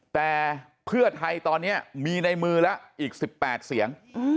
แต่เพื่อไทยตอนนี้มีในมือแล้วอีก๑๘เสียง